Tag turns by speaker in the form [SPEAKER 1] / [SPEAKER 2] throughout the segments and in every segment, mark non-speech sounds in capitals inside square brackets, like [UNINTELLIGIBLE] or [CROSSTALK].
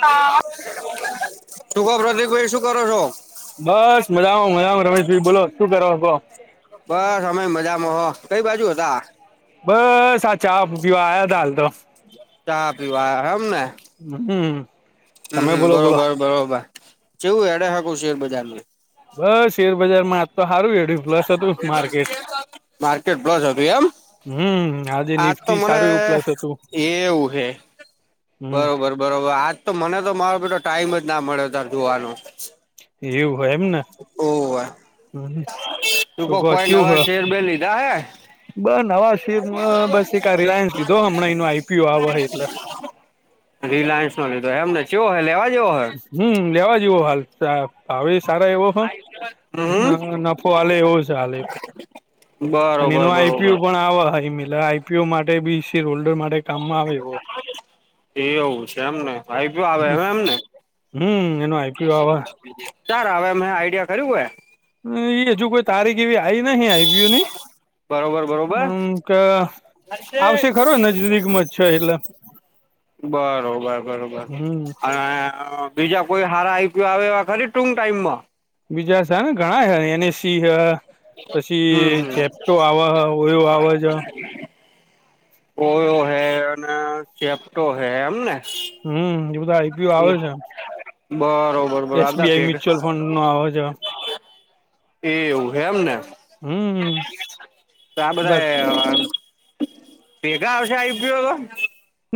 [SPEAKER 1] હા
[SPEAKER 2] શું કહો પ્રતિકભાઈ શું કરો છો
[SPEAKER 1] બસ મજા, આવ મજા આવ રમેશભાઈ બોલો શું કરો ક.
[SPEAKER 2] બસ અમે મજામાં હો કઈ બાજુ હતા
[SPEAKER 1] બ સાચ. ચા પીવા આયા થા હાલ, તો
[SPEAKER 2] ચા પીવા
[SPEAKER 1] હમ તમે
[SPEAKER 2] હમમ,
[SPEAKER 1] બોલો બોલો
[SPEAKER 2] બરોબર બરોબર ચેવુ હેડે હ કૌ શેર બજાર નુ
[SPEAKER 1] બસ શેરબજારમાં આજ તો સારું એ
[SPEAKER 2] માર્કેટ બ્લોસ હતુ, એમ
[SPEAKER 1] હમ આજે
[SPEAKER 2] આજ, તો
[SPEAKER 1] નિફ્ટી
[SPEAKER 2] મને
[SPEAKER 1] સારું એવું પ્લસ હતું
[SPEAKER 2] એ એવું હે
[SPEAKER 1] હમ
[SPEAKER 2] બરોબર, બરોબર આજ તો મને તો મારો બેટો ટાઈમ જ ના મળે તાર જોવાનો
[SPEAKER 1] એવું હોય, એમને હમ
[SPEAKER 2] તુ,
[SPEAKER 1] શું
[SPEAKER 2] કો કોઈ નવા
[SPEAKER 1] ચેવું હ
[SPEAKER 2] શેર બે લીધા હે
[SPEAKER 1] બ નવા શેર બસ એક આ રિલાયન્સ લીધો હમણાં એનો આઈપીઓ આવે હે એટલે
[SPEAKER 2] [INAUDIBLE] રિલાયન્સ નો, લીધો એમ
[SPEAKER 1] હમ, લેવા જેવો હાલ ભાવેશ સારા એવો હ,
[SPEAKER 2] હમ
[SPEAKER 1] અને
[SPEAKER 2] હમ.
[SPEAKER 1] નફો હાલે એવો સ હાલે અને
[SPEAKER 2] બરોબર
[SPEAKER 1] એનો
[SPEAKER 2] બરોબર
[SPEAKER 1] આઈપીયુ પણ આ વહ આઈપીઓ માટે બી શેર હોલ્ડર માટે કામમાં આવે એવો
[SPEAKER 2] એવું છે, એમને ભાઈ ક આવે. હવે એમને
[SPEAKER 1] હમ એનો આઈપીઓ આવે
[SPEAKER 2] ચાર, હવે મેં આઈડિયા કર્યું હે.
[SPEAKER 1] એ હજુ કોઈ તારીખ એવી આવી નહીં, આવ્યું ની.
[SPEAKER 2] બરોબર બરોબર
[SPEAKER 1] પણ ક આવશે, ખરો? નજદીકમાં જ છે, એટલે
[SPEAKER 2] બરોબર, બરોબર.
[SPEAKER 1] હમ
[SPEAKER 2] અને બીજા કોઈ હારા આવી. આવે એવા, ખરી? ટુંક ટાઈમ માં
[SPEAKER 1] બીજા સ ન ઘણા હે. એનએસસી, હ પછી
[SPEAKER 2] હમ હમ
[SPEAKER 1] જેપ્ટો આવ હ. ઓયો આવ છે.
[SPEAKER 2] કોયો હે અને ચેપટો હે એમ ને.
[SPEAKER 1] હમ, એ બધા આઈપીઓ આવે છે,
[SPEAKER 2] બરોબર બરોબર આ બધા
[SPEAKER 1] એસબીઆઈ
[SPEAKER 2] ભેગા
[SPEAKER 1] મ્યુચ્યુઅલ ફંડ નો. હા, આવજો.
[SPEAKER 2] એ એવું હેમ ને.
[SPEAKER 1] હમ, હ.
[SPEAKER 2] તો આ બધાય ભેગા આવશે, આઇપીઓ.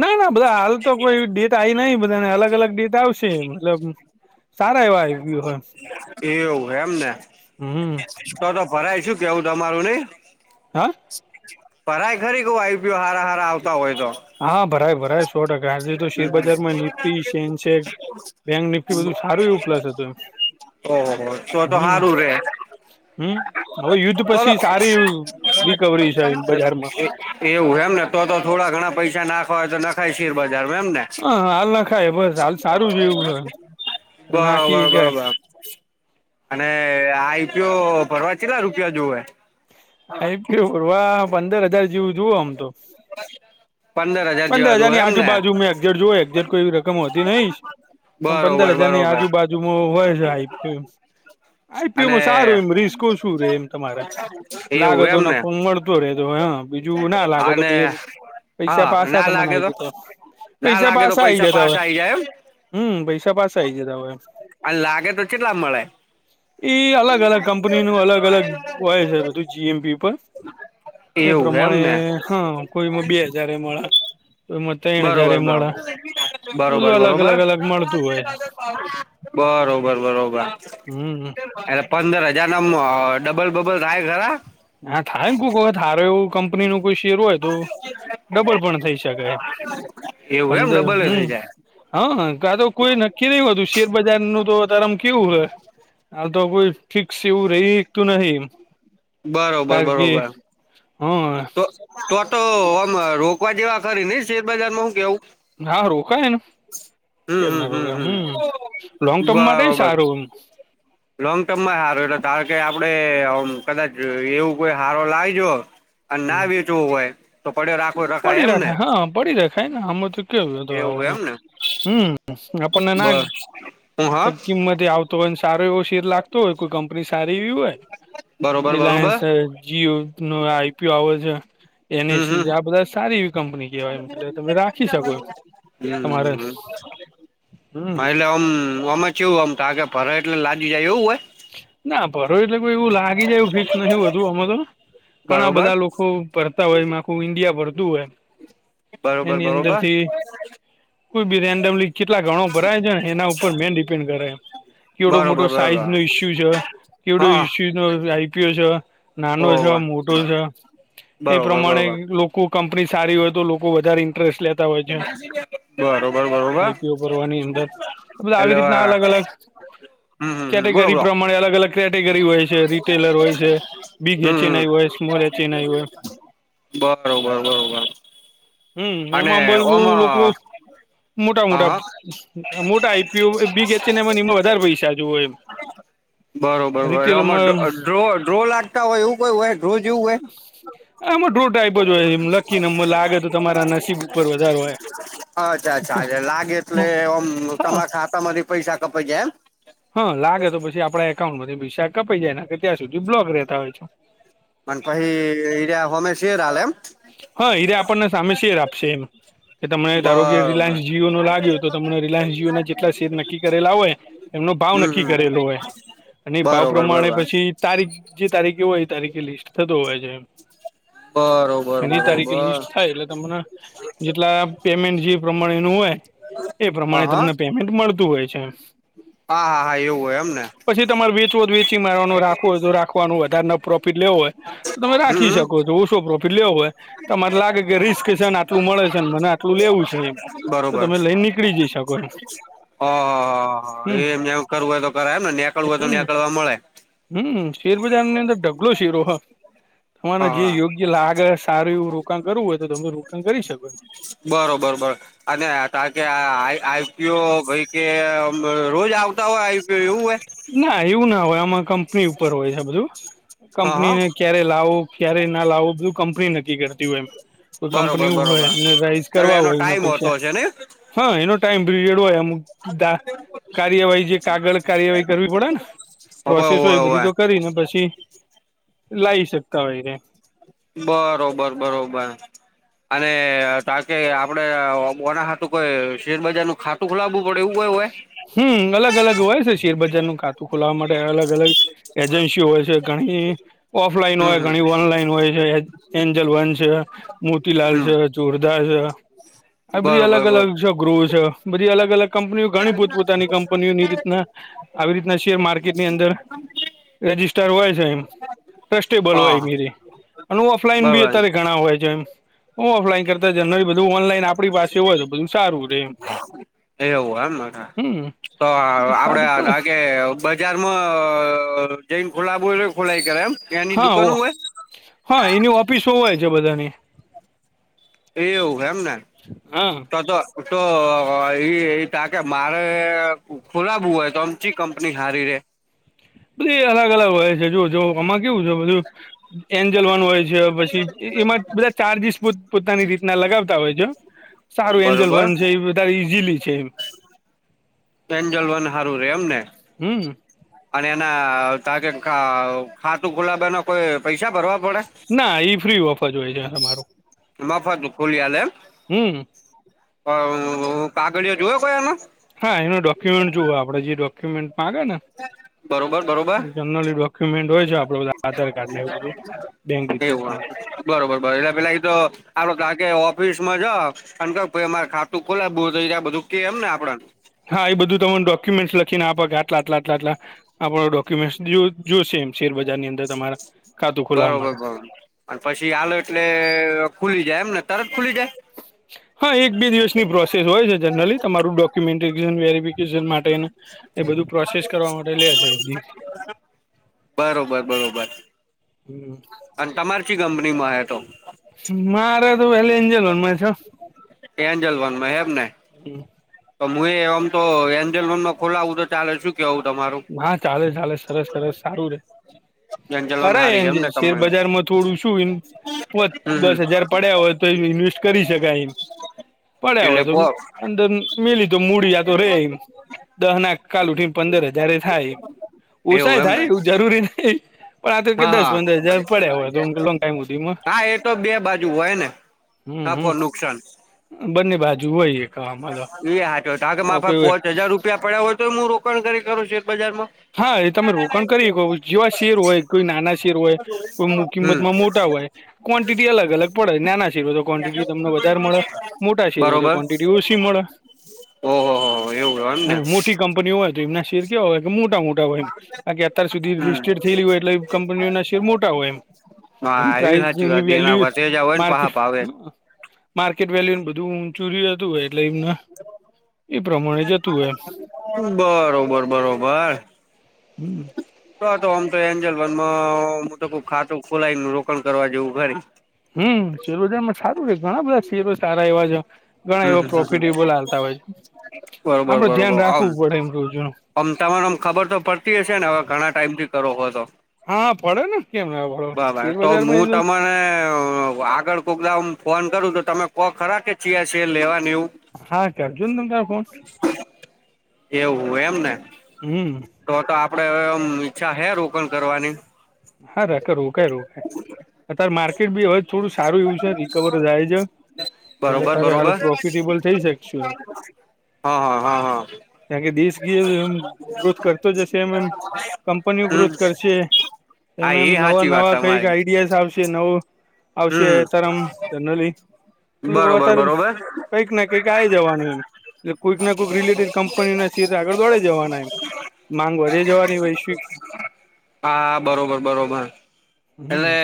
[SPEAKER 1] ના, ના. બધા હાલ તો કોઈ ડેટ આવી નહીં. બધાને અલગ અલગ ડેટ આવશે, મતલબ. સારા એવા આઇપીઓ, હ.
[SPEAKER 2] એવું એમ ને તો, તો ભરાય શું? કેવું, તમારું નઈ?
[SPEAKER 1] હ.
[SPEAKER 2] પ, ખરી? ક આઈપીયો હારા હારા આવતા હોય તો.
[SPEAKER 1] હા ભરાય ભરાય, સો ટકા. આજે તો શેરબજારમાં નિપ્ટી, સેનસેક બેંક નિફ્ટી, બધું સારું એ પ્લસ હતું.
[SPEAKER 2] ઓહો તો
[SPEAKER 1] એ,
[SPEAKER 2] તો
[SPEAKER 1] હમ.
[SPEAKER 2] હારું રે
[SPEAKER 1] હમ. હવે યુદ્ધ
[SPEAKER 2] તો, તો
[SPEAKER 1] પછી સારી રિકવરી છે બજારમાં
[SPEAKER 2] એવું એમને તો, તો થોડા ઘણા. પૈસા નાખવા હોય તો નાખાય, શેર બજાર માં, એમને
[SPEAKER 1] હ હાલ નખાય બસ હાલ સારું જેવું નાખી
[SPEAKER 2] બરોબર,
[SPEAKER 1] ગયા
[SPEAKER 2] બરોબર. અને આ આઈપીયો ભરવા, કેટલા રૂપિયા જોવે?
[SPEAKER 1] આઈપીઓ ભરવા, પંદર હજાર જેવુ જોઈએ, આમ તો
[SPEAKER 2] [INAUDIBLE] હજાર
[SPEAKER 1] પંદર
[SPEAKER 2] જેવા જોવે
[SPEAKER 1] હજારની આજુ
[SPEAKER 2] એમને
[SPEAKER 1] બાાજુ મેં એક્ઝેટ જો એજેટ કોઈ રકમ હોતી નહીં. પણ પંદર
[SPEAKER 2] બરોબર
[SPEAKER 1] હજારની
[SPEAKER 2] બરોબર
[SPEAKER 1] આજુબાજુમાં હોય છે.
[SPEAKER 2] અને
[SPEAKER 1] આઈપીઓમાં સારું એમ રિસકો શું રે એમ તમારે લાગે
[SPEAKER 2] એવું
[SPEAKER 1] તો
[SPEAKER 2] એમને
[SPEAKER 1] નફો મળતો રહેેતો હ બીજું ના લાગે તો
[SPEAKER 2] અને
[SPEAKER 1] પ પૈસા
[SPEAKER 2] હા
[SPEAKER 1] પાસા
[SPEAKER 2] ના
[SPEAKER 1] તમને
[SPEAKER 2] લાગે
[SPEAKER 1] આય
[SPEAKER 2] તો
[SPEAKER 1] જતા હોય.
[SPEAKER 2] ના
[SPEAKER 1] પૈસા
[SPEAKER 2] લાગે તો
[SPEAKER 1] પાસાા આઈ
[SPEAKER 2] પૈસા
[SPEAKER 1] જતા હોય.
[SPEAKER 2] પાછા આઈ જાય એમ
[SPEAKER 1] હમ, પૈસા પાસા આવી જતા હોય એમ.
[SPEAKER 2] અને લાગે તો કેટલા મળે
[SPEAKER 1] એ અલગ-અલગ કંપની નું, અલગ અલગ હોય છે, બધું જીએમપી ઉપર. એ
[SPEAKER 2] એવું
[SPEAKER 1] પ્રમાણે,
[SPEAKER 2] એમને
[SPEAKER 1] હા, કોઈમાં બે હજાર એ મળે. મત એણા જ્યારે
[SPEAKER 2] બરોબર
[SPEAKER 1] મળે. એ
[SPEAKER 2] બરોબર,
[SPEAKER 1] બધું અલગ અલગ
[SPEAKER 2] બરોબર,
[SPEAKER 1] અલગ મળતું હોય
[SPEAKER 2] બરોબર, બરોબર.
[SPEAKER 1] હમ
[SPEAKER 2] એ પંદર હજાર ના ડબલ-બબલ થાય ખરા?
[SPEAKER 1] હા, થાય ને. કોઈ કો હારુ એવું કંપની નું કોઈ શેર હોય તો ડબલ પણ થઈ શકાય,
[SPEAKER 2] એવું એમ
[SPEAKER 1] પંદર,
[SPEAKER 2] ડબલ
[SPEAKER 1] હમ.
[SPEAKER 2] થઈ જાય
[SPEAKER 1] હા, કા તો કોઈ નક્કી નય હોતું. શેરબજારનું, અ તાર ત મ, કેવું હોય?
[SPEAKER 2] [UNINTELLIGIBLE]
[SPEAKER 1] આ તો કોઈ ફિક્સ એવું રહી હકતુ નહીં, એમ.
[SPEAKER 2] બરોબર, બરોબર.
[SPEAKER 1] હા
[SPEAKER 2] તો, તો, તો આમ રોકવા જેવા ખરી ને, શેરબજારમાં? હું કેવું.
[SPEAKER 1] હા, રોકાયા ના. કેમના પગમે, હમ, લોંગ ટર્મ માટે
[SPEAKER 2] બરોબર
[SPEAKER 1] સારું, એમ?
[SPEAKER 2] લોંગ ટર્મ માં હારુ એટલે ઘારો આપડે ઓમ કદાચ એવું કોઈ હારો લાઈજો. અને ના
[SPEAKER 1] એમ
[SPEAKER 2] વેચવું હોય તો પડ્યો રાખો રખાય
[SPEAKER 1] પડી
[SPEAKER 2] એમને
[SPEAKER 1] હા પડી રખાય ને આમાં તો કેવું તો
[SPEAKER 2] એવું. એમ
[SPEAKER 1] આવવાનું
[SPEAKER 2] ને.
[SPEAKER 1] હમ આપણને
[SPEAKER 2] બ
[SPEAKER 1] ના
[SPEAKER 2] હું હા
[SPEAKER 1] એક કિંમતી આવતો હોય સારો એવો [UNINTELLIGIBLE] લગતું હતું. કંપની ની સારી એવી હોય.
[SPEAKER 2] બરોબર બરોબર
[SPEAKER 1] રિલાયંસ, જીઓ [INAUDIBLE] આવ છે.
[SPEAKER 2] હમ હમ
[SPEAKER 1] એનએસી આ બધા સારી કંપની કહેવાય એમ એટલે તમે રાખી શકો એમ
[SPEAKER 2] હમ.
[SPEAKER 1] તમારે હમ
[SPEAKER 2] હા એટલે આમ.. આમ ચેવું આમાં ટાકે ભરાઈ એટલે લાગી જાય એવું હોય.
[SPEAKER 1] ના ભરો એટલે કોઈ એવું લાગી જાય એવું ફિક્સ નથી હતું અમ તો. ઘણા
[SPEAKER 2] બરોબર
[SPEAKER 1] બધા લોકો ભરતા હોય એ આખું ઈન્ડિયા ભરતું હોય.
[SPEAKER 2] બરોબર
[SPEAKER 1] એની અંદર
[SPEAKER 2] બરોબર
[SPEAKER 1] થી કોઈ બી રેન્ડમલી કેટલા ગણો ભરાય છે ને એના ઉપર મેન ડિપેન્ડ કરે એમ કેવડો મોટો
[SPEAKER 2] બરોબર
[SPEAKER 1] સાઈઝ
[SPEAKER 2] બરોબર
[SPEAKER 1] નો ઇ ઇસ્યુ છે કેવડું
[SPEAKER 2] હા
[SPEAKER 1] ઇસ્યુ છ આઈપીઓ છે નાનો છે
[SPEAKER 2] હોવે
[SPEAKER 1] મોટો છે. એ
[SPEAKER 2] બરોબર
[SPEAKER 1] પ્રમાણે
[SPEAKER 2] બરોબર
[SPEAKER 1] લોકો કંપની સારી હોય તો લોકો વધારે ઇન્ટરેસ્ટ લે હોય છે
[SPEAKER 2] બરોબર બરોબર
[SPEAKER 1] આઈપી ઓ કરવાની અંદર બધા આવી
[SPEAKER 2] એટલે
[SPEAKER 1] રીતના અલગ અલગ.
[SPEAKER 2] હમ હમ. હમ બોલો
[SPEAKER 1] કેટેગરી
[SPEAKER 2] બોલો
[SPEAKER 1] પ્રમાણે અલગ અલગ કેટેગરી હોય છે રિટેલર હોય છે બિગ
[SPEAKER 2] હમ હમ
[SPEAKER 1] એચિનઈ હોય સ્મોલ એચિનઈ હોય.
[SPEAKER 2] બરોબર બરોબર.
[SPEAKER 1] હમ
[SPEAKER 2] અને
[SPEAKER 1] એમાં બર લોકો.
[SPEAKER 2] ઓમાં
[SPEAKER 1] મોટા
[SPEAKER 2] હા
[SPEAKER 1] મોટા
[SPEAKER 2] હા
[SPEAKER 1] મોટા આઈપીયુ બીગ એચએનઆઇ ને એ એમાં વધારે પૈસા જવ હોય એમ.
[SPEAKER 2] હ. બરોબર
[SPEAKER 1] રિટેલમાં
[SPEAKER 2] ડ્રો લાગતા હોય એવું કઈ હોય ડ્રો જેવું હોય.
[SPEAKER 1] આમાં રો ટાઈપ જ હોય એ લખીને લાગે તો તમારા નસીબ ઉપર વધારો હોય.
[SPEAKER 2] અચ્છા અચ્છા એલે લાગે એટલે ઓમ
[SPEAKER 1] હા
[SPEAKER 2] તમારા ખાતામાંથી પૈસા કપાઈ જાય એમ
[SPEAKER 1] હા લાગે તો પછી આપડા એકાઉન્ટમાંથી પૈસા કપાઈ જાયને કે ત્યાં સુધી બ્લોક રહેતા હોય છે.
[SPEAKER 2] અને પહિ ઇ રિયા શેર આલે એમ.
[SPEAKER 1] હા એરે આપણને સામે છે જ આપશે એમ. કે તમ ધારો કે
[SPEAKER 2] બરોબર
[SPEAKER 1] રિલાયન્સ જીઓ નો લાગ્યો તો તમને રિલાયન્સ જીઓ ના જેટલા શેર નક્કી કરેલા હોય. એમનો ભાવ
[SPEAKER 2] હમ
[SPEAKER 1] નક્કી
[SPEAKER 2] હમ
[SPEAKER 1] કરેલો હોય અને ભાવ
[SPEAKER 2] બરોબર
[SPEAKER 1] પ્રમાણે
[SPEAKER 2] બરોબર
[SPEAKER 1] પછી તારીખ જે તારીખ એ હોય ત લિસ્ટ થતો હોય છે એમ.
[SPEAKER 2] બરોબર
[SPEAKER 1] એની તારીખે
[SPEAKER 2] બરોબર
[SPEAKER 1] લિસ્ટ થાય એટલે તમને જેટલા પેમેન્ટ જે. પ્રમાણેનું હોય એ
[SPEAKER 2] હ હા
[SPEAKER 1] પ્રમાણે
[SPEAKER 2] હા
[SPEAKER 1] તમને પેમેન્ટ મળતું હોય છે એમ.
[SPEAKER 2] હા હા એવું હોય એમને
[SPEAKER 1] પછી તમાર વીચવુ હોય વેચ મારવાનું રાખવો હોય તો રાખવાનું વધારે ન પ્રોફિટ લેવો હોય તો રાખી
[SPEAKER 2] હમ
[SPEAKER 1] શકો છો ઓછો પ્રોફિટ લેવો હોય. તમારે લાગે કે રિસ્ક છે ને આટલું મળે છે ને મને આટલું લેવું છે એમ તો તમે લઈને નીકળી જઈ શકો એમ
[SPEAKER 2] ઓ એ
[SPEAKER 1] હમ
[SPEAKER 2] એમને કરું હોય તો કરાય એમ ને નિકળવું હોય
[SPEAKER 1] હમ
[SPEAKER 2] તોનીકળવા મલે.
[SPEAKER 1] હમ શેરબજારની અંદર ઢગલો શેરો હ તમારા જે
[SPEAKER 2] હા
[SPEAKER 1] યોગ્ય લાગે સારું એવું રોકાણ કરવું હોય તો તમે રોકાણ કરી શકો
[SPEAKER 2] બરોબર બરબર અને તા કે આઈપીઓ કે રોજ આવતા હોય આવી રીતે એવું બને
[SPEAKER 1] ના એવું ના હોય આમાં કંપની ઉપર હોય છે બધું
[SPEAKER 2] હા હા
[SPEAKER 1] કંપનીને ક્યારે લાવું. ક્યારે ના લાવવ બધું કંપની નક્કી કરતી હોય એમ કોઈ
[SPEAKER 2] બરોબર
[SPEAKER 1] કંપની હોય
[SPEAKER 2] બરોબર
[SPEAKER 1] એ રાઈઝ
[SPEAKER 2] એટલે
[SPEAKER 1] કરવા
[SPEAKER 2] એનો
[SPEAKER 1] હોય એમના
[SPEAKER 2] ટાઈમ હોતો
[SPEAKER 1] પૈસા
[SPEAKER 2] છે ને
[SPEAKER 1] હા એનો ટાઈમ પડેને
[SPEAKER 2] હોવે
[SPEAKER 1] પ્રોસેસ
[SPEAKER 2] હોવે
[SPEAKER 1] હોય બધી
[SPEAKER 2] હોવે
[SPEAKER 1] તો કરીને પછી લાવી શકતા હોયને
[SPEAKER 2] બરોબર બરોબર. અને તા કે આપડે ઓનાં હાટુ કોઈ શેરબજાર નું ખાતું ખોલાવું. હોવે.
[SPEAKER 1] હમ અલગ અલગ હોય છે શેરબજાર નું ખાતું ખોલાવા માટે અલગ અલગ એજન્સીઓ હોય છે. ઘણી ઓફલાઈન
[SPEAKER 2] હમ
[SPEAKER 1] હોય
[SPEAKER 2] હમ
[SPEAKER 1] ઘણી ઓનલાઈન હોય છે એન્જલ વન છે. મોતીલાલ
[SPEAKER 2] હમ
[SPEAKER 1] છે ચોરદાર છે આ બધી
[SPEAKER 2] બરોબર
[SPEAKER 1] અલગ
[SPEAKER 2] બર
[SPEAKER 1] અલગ છે ગૃહ છે. બધી અલગ અલગ કંપનીઓ ઘણી પોતપોતાની કંપનીઓની રીતના આવી રીતના શેર માર્કેટની અંદર રજિસ્ટર હોય છે એમ. ટ્રસ્ટેબલ
[SPEAKER 2] હા
[SPEAKER 1] હોય મીરી અને ઓફલાઈન બી
[SPEAKER 2] બરોબર
[SPEAKER 1] અત્યારે ઘણા હોય છે એમ. હું ઓફલાઈન કરતા જ ન બધું ઓનલાઈન આપણી પાસે હોય તો બધું સારું રે એમ
[SPEAKER 2] એવ આમ મઠા
[SPEAKER 1] હમ.
[SPEAKER 2] તો આપડે કે
[SPEAKER 1] ખાધું
[SPEAKER 2] આ
[SPEAKER 1] પડે
[SPEAKER 2] લાગે બજારમાં જઈન ખુલાવુ પડે. ખોલાઈ કરાય એમ એની
[SPEAKER 1] હા
[SPEAKER 2] દુકાન
[SPEAKER 1] ઓ
[SPEAKER 2] હોય.
[SPEAKER 1] હા એની ઓફિસો હોય છે બધાની
[SPEAKER 2] એવું એમને
[SPEAKER 1] હા.
[SPEAKER 2] તો તો તો એ તા કે મારે ખોલાવું હોય તો આમ ચી કંપની હારી રે. [INAUDIBLE]
[SPEAKER 1] બધી એ અલગ અલગ હોય છે જો જો એમાં કેવુ છે બઘુ એન્ જલવાનું હોય છે પછી એ બધા ચાર્જસ પોતાની રીતના. લગાવતા હોય છે સારું એન્જલ
[SPEAKER 2] બરોબર
[SPEAKER 1] વન છે બ ઈઝલી છે.
[SPEAKER 2] એન્જલ વન હારું રે એમને
[SPEAKER 1] હમ
[SPEAKER 2] અને ના ત ખાતું ખુલાબ કોઈ પૈસા ભરવા પડે
[SPEAKER 1] ના એઈ ફ્રી ઓફ જ હોય છે હમારું
[SPEAKER 2] મફત ખુલી હલે એમ
[SPEAKER 1] હમ
[SPEAKER 2] કાગડીયો જોયો કોઈ એનો.
[SPEAKER 1] હા એનો ડોક્યુમેન્ટ જોવ આપડે જે ડોક્યુમેન્ટ માંગે ને
[SPEAKER 2] બરોબર બરોબર
[SPEAKER 1] જનરલી ડોક્યુમેન્ટ હોય છે આપડે બધાને આધાર કાર્ડ ને એવું બધું. બેંક
[SPEAKER 2] એવું
[SPEAKER 1] ડિટેલ્સ
[SPEAKER 2] બરોબર એટલે પેલા એ તો આપડ ત કે ઓફિસ માં જ અને ક અમારે ખાતું ખોલા આ બધું કે એમ ને આપણે
[SPEAKER 1] હા એ બધું તમને ડોક્યુમેન્ટ લખીને આપડ આટલા આટલા આટલા આટલા આપણે ડોક્યુમેન્ટ જો શેમ છે.
[SPEAKER 2] બરોબર બરોબર અને પછી હાલ એટલે ખુલી જાય એમ ને. તરત ખુલી જાય.
[SPEAKER 1] હા એક બે દિવસ ની પ્રોસેસ હોય છે જનરલી તમારું ડોક્યુમેન્ટેશન વેરીફિકેશન માટે એ બધું પ્રોસેસ કર ટે લ છે એ દશ [UNINTELLIGIBLE]
[SPEAKER 2] બરોબર બરોબર. અને તમાર ચી કંપનીમાં તો
[SPEAKER 1] મારે તો વ એન્જલો વનમાં છે
[SPEAKER 2] એન્ જલવાનમાં હેમ ને તો હું એ આમ તો એન્જલ રન ન ખોલાવું તો ચાલે શું કેવું તમારું
[SPEAKER 1] હા ચાલે ચાલે સરસ સરસ સારું રે
[SPEAKER 2] એન્જલ લોન
[SPEAKER 1] કરાય
[SPEAKER 2] હારી છે
[SPEAKER 1] એમ જે
[SPEAKER 2] એમને કંપની
[SPEAKER 1] શેરબજારમાં થોડું શું એમ પો
[SPEAKER 2] હમ હમ
[SPEAKER 1] દસ હજાર પડ્યા હોય તો એ ઇન્વેસ્ટ કરી શકાય એમ. પડ્યા
[SPEAKER 2] એટલે
[SPEAKER 1] હોય તો
[SPEAKER 2] પો
[SPEAKER 1] અંદર મેલી તો મૂડી આતો રેમ દહ ના કાલ ઉઠીને પંદર હજાર એ થાય ઓછાય થાય એવું જરૂરી નહીં.
[SPEAKER 2] હા હા
[SPEAKER 1] લોંગ ટાઈમ સુધીમાં
[SPEAKER 2] હા એ તો બે બાજુ હોય ને.
[SPEAKER 1] હમ હમ
[SPEAKER 2] નફો નુકસાન.
[SPEAKER 1] બંને બાજુ હોય એક આમાં તો
[SPEAKER 2] એ હાચ તા કે
[SPEAKER 1] આમાં
[SPEAKER 2] મા ભ
[SPEAKER 1] કોઈ
[SPEAKER 2] પોચ હજાર રૂપિયા પડ્યા હોય તો હું રોકડ કરી કરું છે.
[SPEAKER 1] હા એ તમે રોકાણ કરી હકો જેવા શેર હોય. કોઈ નાના શેર હોય કોઈ
[SPEAKER 2] હમ
[SPEAKER 1] કિંમતમાં મોટા હોય ક્વોન્ટિટી અલગ અલગ પડે નાના શેર હોય તો ક્વોન્ટિટી. તમને વધારે મળે મોટા શેર હોય તો
[SPEAKER 2] બરોબર
[SPEAKER 1] ક્વન્ટિટી ઓછી મળે
[SPEAKER 2] ઓહો હો એવું એમ
[SPEAKER 1] હ
[SPEAKER 2] ને
[SPEAKER 1] મોટી કંપનીઓ હોય તો એમના. શેર કેવા હોય મોટા મોટા હોય એમ કાર કે અત્યાર સુધી
[SPEAKER 2] હમ
[SPEAKER 1] લિસ્ટડ થયે હોય એટલે કંપનીઓના શેર મોટા હોય એમ. એની
[SPEAKER 2] હા એવી
[SPEAKER 1] પ્રાઇઝ
[SPEAKER 2] સાચી
[SPEAKER 1] એની
[SPEAKER 2] વાત એના
[SPEAKER 1] વેલ્યુ
[SPEAKER 2] વટેજા હોય ને પાહા
[SPEAKER 1] માર્કેટ
[SPEAKER 2] ભાવે
[SPEAKER 1] માર્કેટ વેલ્યુ બધું. ધું ચુરી ધુંવે એમના એ પ્રમાણે જતું હોય એમ.
[SPEAKER 2] બરોબર બરોબર. એન્જલ વનમાં હું તો કઉં ખાતું ખોલાય રોકાણ કરવા જેવું હોય.
[SPEAKER 1] હમ શેર બજારમાં સારું છે ઘણા બધા શેરો સારા એવા છે. ઘણા એવા
[SPEAKER 2] હમ
[SPEAKER 1] પ્રોફિટ એ બોલ આલતા હોય છે
[SPEAKER 2] બરોબર
[SPEAKER 1] આપડે ધ્યાન
[SPEAKER 2] બરોબર આમ
[SPEAKER 1] રાખવું પડે એમ રોજે
[SPEAKER 2] આમ તમારે આમ ખબર તો પડતી હશે ને હવે ઘણા ટાઈમ થી કરો હો તો.
[SPEAKER 1] હા પડે ને. કેમ ના પડો
[SPEAKER 2] બરાબર
[SPEAKER 1] શેર
[SPEAKER 2] તો હું
[SPEAKER 1] બજારમાં એ જો
[SPEAKER 2] તમને આગળ કોક દાળ ફોન કરું તો. તમે કો ખરા કે ચી છે લેવા
[SPEAKER 1] હા કે અર્જુન દમ ફોન.
[SPEAKER 2] એવું એમ ને
[SPEAKER 1] હમ
[SPEAKER 2] તો તો આપડેમ ઈચ્છા હેરું કોણ કરવાની
[SPEAKER 1] હા રા. રોકાય રોકાય અત્યારે માર્કેટ બી હવે થોડું સારું એવું છે રિકવર થાય છે. એટલે
[SPEAKER 2] બરોબર
[SPEAKER 1] તારે
[SPEAKER 2] બરોબર
[SPEAKER 1] હાલું પ્રોફિટેબલ થઇ શકશુ એમ.
[SPEAKER 2] હા હા હા હા.
[SPEAKER 1] કારણ કે દેશ ગી ગ્રોથ કરતો જશે એમ એમ કંપનીઓ
[SPEAKER 2] હમ
[SPEAKER 1] ગ્રોથ કરશે.
[SPEAKER 2] હા
[SPEAKER 1] એમ
[SPEAKER 2] એ
[SPEAKER 1] એમ નવ.
[SPEAKER 2] સાચી વાત
[SPEAKER 1] કઈક
[SPEAKER 2] તમારી
[SPEAKER 1] આઈડિયા જ આવશે નવું આવશે
[SPEAKER 2] હમ
[SPEAKER 1] તરમ જનરલી. બધું
[SPEAKER 2] બરોબર
[SPEAKER 1] અત્યારે
[SPEAKER 2] બરોબર.
[SPEAKER 1] કંઈક ના કંઈક આવી જવાનું એમ. એટલે કોઈક ના કોઈક રિલેટેડ કંપની ના શેર આગળ દોડે જવાના એમ. માંગ વધી જવાની વૈશ્વિક
[SPEAKER 2] આ. બરોબર બરોબર
[SPEAKER 1] હમ
[SPEAKER 2] એટલે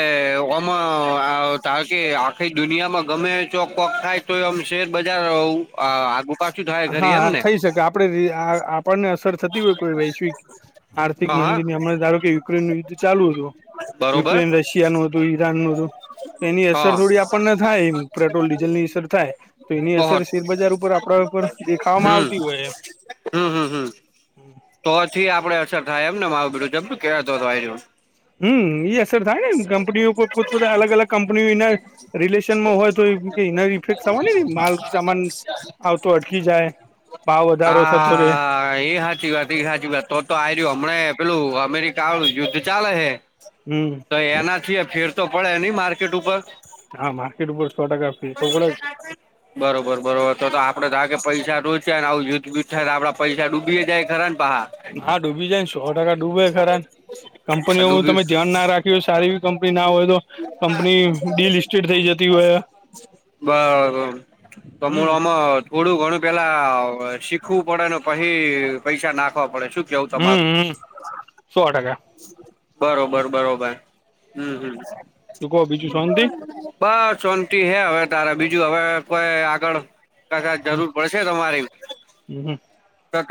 [SPEAKER 2] આમાં ચકી આખા દુનિયામાં ગમે ચોકવક થાય તો એમ શેર બજાર રહું
[SPEAKER 1] હા થઈ શકે આપડ આપણને અસર થતી હોય કોઈ વૈશ્વિક આર્થિક
[SPEAKER 2] હા હા
[SPEAKER 1] મંદીને હમણા ધારો કે યુક્રેન નું યુદ્ધ ચાલુ હતું
[SPEAKER 2] બરોબર
[SPEAKER 1] યુક્રેન રશિયા નું હતું ઈરાન નું હતું તો એની અસર
[SPEAKER 2] હા
[SPEAKER 1] થોડી આપણને થાય પેટ્રોલ ડીઝલ ની અસર થાય તો એની
[SPEAKER 2] ઓહો
[SPEAKER 1] અસર શેરબજાર ઉપર આપડા ઉપર દેખાવામાં
[SPEAKER 2] હમ
[SPEAKER 1] આવતી હોય.
[SPEAKER 2] હમ હમ હમ તો થી આપડે અસર થાય એમને માીુંમ કેતો
[SPEAKER 1] હમ એ અસર થાય ને એમ કંપનીઓ કોઈ પોતપતા અલગ અલગ કંપનીઓના રિલેશનમાં હોય તો ઇફેક્ટ માલ સામાન આવતો અટકી જાય ભાવ વધારો થતો રે
[SPEAKER 2] હા એ હ સાચી વાત સાાચી વાત તો તો આ રહ્યું હમણાં પેલું અમેરિકા આવું યુદ્ધ ચાલે હે.
[SPEAKER 1] હમ
[SPEAKER 2] તો એનાથી ફેરતો પડે નહી માર્કેટ ઉપર.
[SPEAKER 1] હા માર્કેટ ઉપર સો ટકા ફી તો
[SPEAKER 2] બરોબર બરોબર તો તો આપડે થ કે પૈસા. છે આવ જુથધ થ આપડા પૈસા ડૂબી જાય ખર.
[SPEAKER 1] હા ડૂબી જાય ને સો ટકા ડૂબે ખરાને. કંપનીઓનું
[SPEAKER 2] ડૂબી
[SPEAKER 1] તમે ધ્યાન ના રાખ્યું હોય સારી એવી કંપની ના હોય તો કંપની ડીલિસ્ટેડ થઈ જતી હોય. હ.
[SPEAKER 2] બરો તોમાં થોડું ઘણ પેલા શીખવું પડે ને પછી પૈસા નાખવા પડે. શું કેવું
[SPEAKER 1] હમ
[SPEAKER 2] તમારું?
[SPEAKER 1] હમ સો ટકા
[SPEAKER 2] બરોબર બરોબર હમ હમ.
[SPEAKER 1] તું કહો બીજું શાંતિ
[SPEAKER 2] બસ શાંતિ હે હવે તારે બીજું હવે કોઈ આગળ કદા
[SPEAKER 1] હમ
[SPEAKER 2] જરૂર પડશે તમારી
[SPEAKER 1] હમ
[SPEAKER 2] તો ત